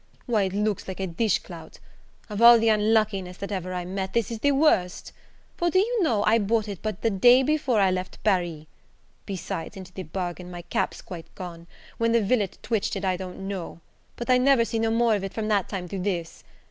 why it looks like a dish clout! Of all the unluckiness that ever I met, this is the worst! for, do you know, I bought it but the day before I left Paris! Besides, into the bargain, my cap's quite gone: where the villain twitched it, I don't know; but I never see no more of it from that time to this.